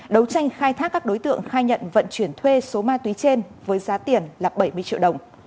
đấu tranh khai thác các đối tượng khai nhận vận chuyển thuê số ma túy trên với giá tiền là bảy mươi triệu đồng